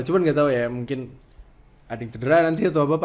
cuma gak tau ya mungkin ada yang terderah nanti atau apa